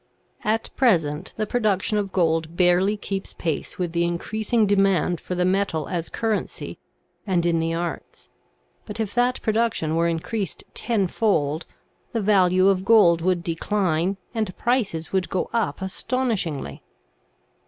At present, the production of gold barely keeps pace with the increasing demand for the metal as currency and in the arts, but if TRANSMUTATION OF THE METALS 91 that production were increased ten fold, the value of gold would decline and prices would go up astonishingly.